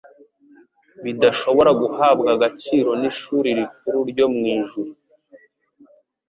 bidashobora guhabwa agaciro n'ishuri rikuru ryo mu ijuru,